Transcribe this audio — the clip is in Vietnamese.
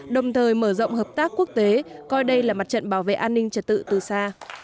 đồng thời mở rộng hợp tác quốc tế coi đây là mặt trận bảo vệ an ninh trật tự từ xa